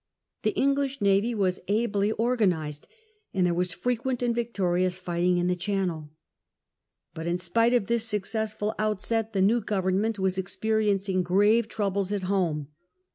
The English navy was ably organized, and there was fre quent and victorious fighting in the Channel But in spite of this successful outset the new govern ment was experiencing grave troubles at home.